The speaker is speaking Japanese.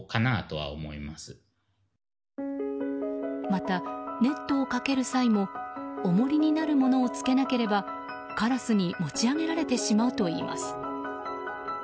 また、ネットをかける際も重りになるものをつけなければカラスに持ち上げられてしまうといいます。